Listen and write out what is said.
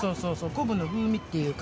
昆布の風味っていうか